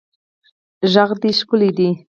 غږ دې ښکلی دی